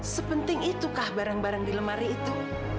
sepenting itukah barang barang di lemari itu